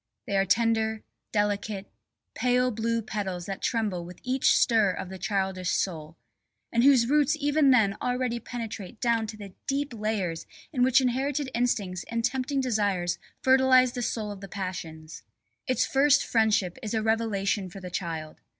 They are tender, delicate, pale blue petals that tremble with each stir of the childish soul and whose roots even then already penetrate down to the deep layers in which inherited instincts and tempting desires fertilise the soil of the passions. Its first friendship is a revelation for the child.